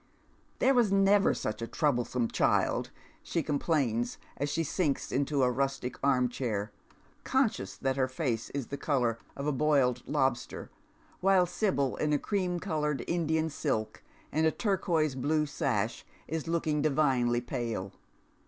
" There never was such a troublesome child," she complains as she sinks into a rustic arm chair, conscious that her face is the colour of a boiled lobster, while Sibyl, in cream coloured Indian silk, and a turquoise blue sash, is looking divinely pale.